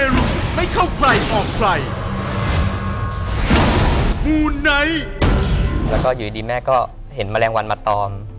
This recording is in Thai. แล้วก็อยู่ดีแม่ก็เห็นแมลงวันมาตอม